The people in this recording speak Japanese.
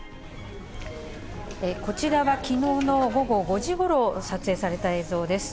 こちらはきのうの午後５時ごろ、撮影された映像です。